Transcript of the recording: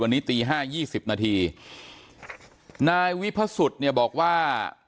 วันนี้ตีห้ายี่สิบนาทีนายวิพสุทธิ์เนี่ยบอกว่า